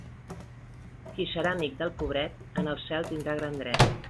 Qui serà amic del pobret, en el cel tindrà gran dret.